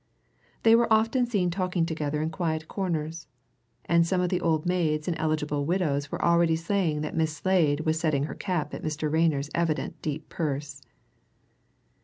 They were often seen talking together in quiet corners and some of the old maids and eligible widows were already saying that Miss Slade was setting her cap at Mr. Rayner's evident deep purse.